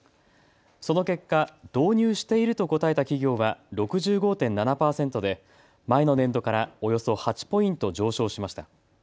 その結果、導入していると答えた企業は６５．７％で前の年度からおよそ８ポイント上昇しました。